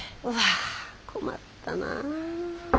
うわあ困ったな。